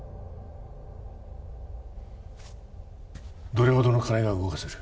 どれほどの金が動かせる？